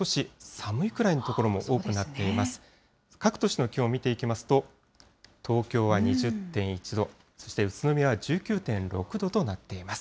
各都市の気温見ていきますと、東京は２０．１度、そして宇都宮は１９．６度となっています。